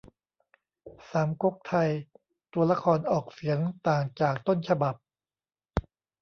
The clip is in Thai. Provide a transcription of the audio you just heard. สามก๊กไทย ตัวละครออกเสียงต่างจากต้นฉบับ